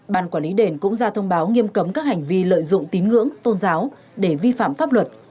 ban quản lý đền cũng ra thông báo nghiêm cấm các hành vi lợi dụng tín ngưỡng tôn giáo để vi phạm pháp luật